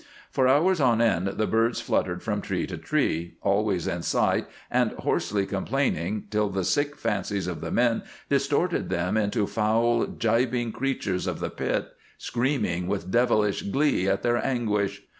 For hours on end the birds fluttered from tree to tree, always in sight and hoarsely complaining till the sick fancies of the men distorted them into foul, gibing creatures of the Pit screaming with devilish glee at their anguish.